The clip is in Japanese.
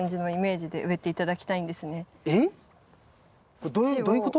これどういうこと？